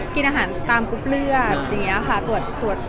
กินอาหารตามกุบเลือด